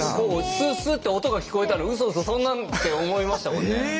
スッスッて音が聞こえたら「うそうそそんな」って思いましたもんね。